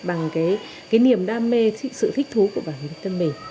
bằng cái niềm đam mê sự thích thú của bản thân mình